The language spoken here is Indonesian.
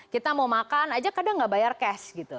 kita mau makan aja kadang nggak bayar cash gitu